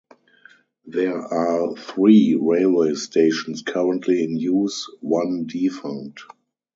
There are three railway stations currently in use, one defunct.